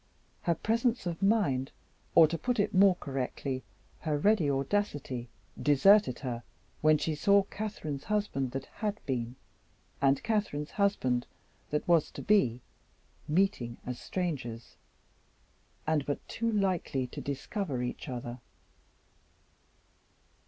Her presence of mind or, to put it more correctly, her ready audacity deserted her, when she saw Catherine's husband that had been, and Catherine's husband that was to be, meeting as strangers, and but too likely to discover each other.